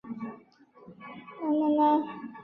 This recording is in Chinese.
揭阳榕城人。